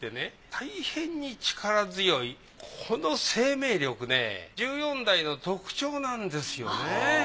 たいへんに力強いこの生命力ね１４代の特徴なんですよね。